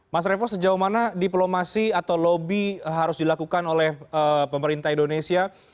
mas revo sejauh mana diplomasi atau lobby harus dilakukan oleh pemerintah indonesia